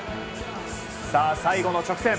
さあ、最後の直線。